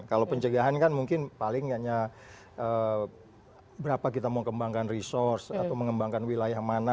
kalau pencegahan kan mungkin paling hanya berapa kita mau kembangkan resource atau mengembangkan wilayah mana